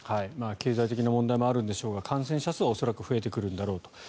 経済的な問題もあるんでしょうが感染者数は恐らく増えてくるんだろうと。